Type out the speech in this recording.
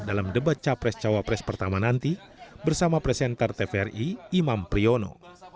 dalam debat cap pres cawa pres pertama nanti bersama presenter tvri imam prayono